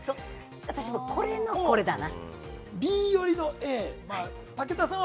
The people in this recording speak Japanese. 私はこれのこれだな。